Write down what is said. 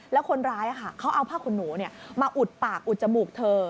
แล้วคนร้ายเขาเอาผ้าขนหนูมาอุดปากอุดจมูกเธอ